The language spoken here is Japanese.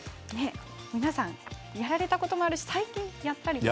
皆さん、やられたこともあるし最近やったりとか。